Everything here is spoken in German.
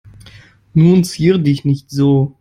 Nun zier dich nicht so.